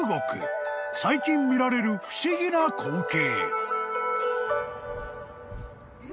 ［最近見られる不思議な光景］